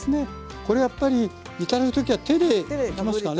これやっぱり頂く時は手でいきますかね？